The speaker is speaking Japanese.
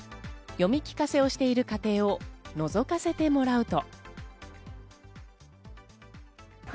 読み聞かせをしている家庭を覗かせてもらうと。